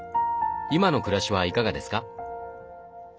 今の暮らしはいかがですか？